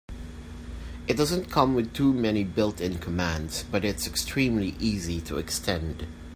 It doesn't come with too many built-in commands, but it's extremely easy to extend.